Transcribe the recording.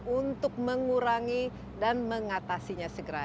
untuk mengurangi dan mengatasinya segera